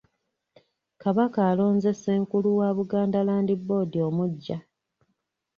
Kabaka alonze Ssenkulu wa Buganda Land Board omuggya.